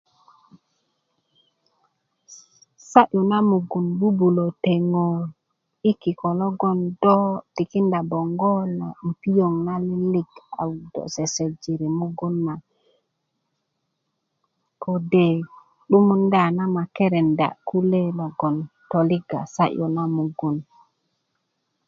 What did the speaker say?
sa'yu na mugun bubulö teŋo yi kiko logbon do tikinda bongo yi piyoŋ na lilik a do sesejiri mugun na ko de 'dumunda na makerenda kule logon toliga sa'yu na mugun